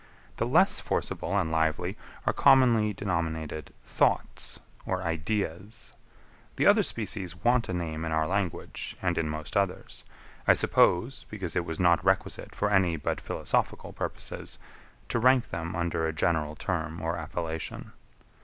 The less forcible and lively are commonly denominated Thoughts or Ideas. The other species want a name in our language, and in most others; I suppose, because it was not requisite for any, but philosophical purposes, to rank them under a general term or appellation.